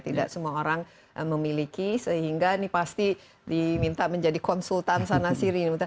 tidak semua orang memiliki sehingga ini pasti diminta menjadi konsultan sana siri